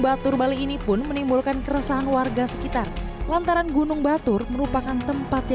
batur bali ini pun menimbulkan keresahan warga sekitar lantaran gunung batur merupakan tempat